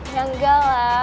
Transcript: ya enggak lah